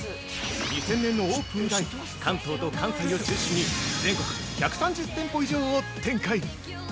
２０００年のオープン以来、関東と関西を中心に全国１３０店舗以上を展開！